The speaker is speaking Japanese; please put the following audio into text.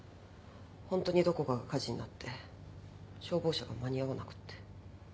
ホントにどこかが火事になって消防車が間に合わなくて。